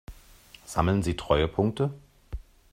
Sammeln Sie Treuepunkte?